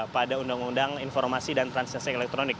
pada undang undang informasi dan transaksi elektronik